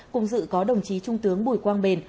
cùng dự có đồng chí trung tướng bùi quang bền